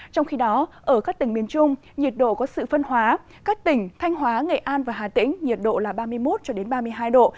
trong khi đó ở các tỉnh miền trung nhiệt độ có sự phân hóa các tỉnh thanh hóa nghệ an và hà tĩnh nhiệt độ là ba mươi một ba mươi hai độ